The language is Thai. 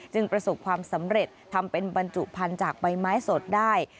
จึงประสูจน์ความสำเร็จทำเป็นบรรจุภัณฑ์จากใบไม้สดได้